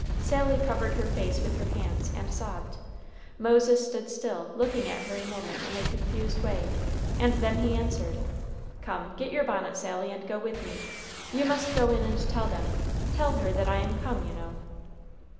Sally covered her face with her hands and sobbed. Moses stood still, looking at her a moment in a confused way, and then he answered, "Come, get your bonnet, Sally, and go with me. You must go in and tell them; tell her that I am come, you know."